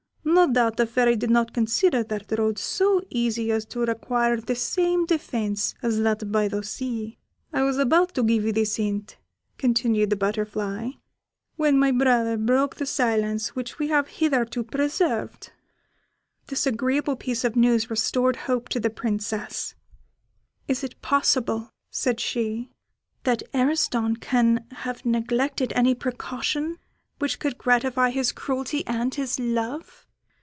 No doubt the Fairy did not consider that road so easy as to require the same defence as that by the sea. I was about to give you this hint," continued the butterfly, "when my brother broke the silence which we have hitherto preserved." This agreeable piece of news restored hope to the Princess. "Is it possible," said she, "that Ariston can have neglected any precaution which could gratify his cruelty and his love?